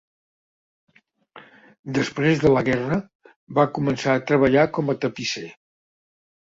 Després de la guerra, va començar a treballar com a tapisser.